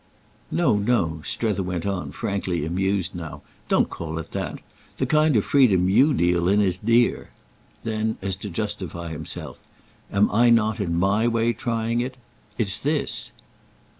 "No, no," Strether went on, frankly amused now; "don't call it that: the kind of freedom you deal in is dear." Then as to justify himself: "Am I not in my way trying it? It's this."